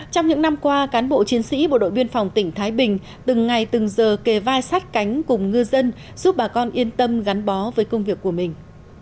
trong những năm qua cán bộ chiến sĩ bộ đội biên phòng tỉnh thái bình từng ngày từng giờ kề vai sát cánh cùng ngư dân giúp bà con yên tâm gắn bó với công việc của mình